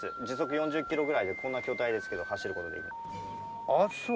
時速４０キロぐらいでこんな巨体ですけど走る事ができます。